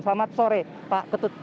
selamat sore pak ketut